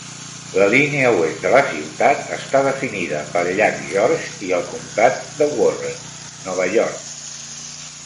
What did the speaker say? La línia oest de la ciutat està definida pel llac George i el comtat de Warren, Nova York.